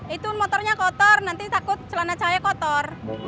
itu motornya kotor nanti takut celana cahaya kotor